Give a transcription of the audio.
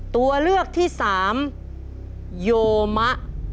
ตัวเลือกที่สามโยมะ